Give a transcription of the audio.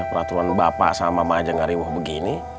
peraturan bapak sama mama aja gak ribah begini